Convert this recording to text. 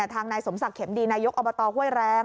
ทางนายสมศักดิ์เข็มดีนายกอบตห้วยแรง